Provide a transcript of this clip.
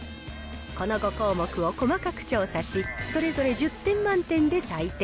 この５項目を細かく調査し、それぞれ１０点満点で採点。